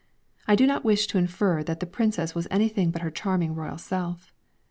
I do not wish to infer that the Princess was anything but her charming Royal self!